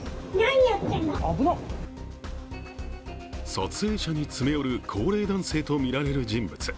撮影者に詰め寄る高齢男性とみられる人物。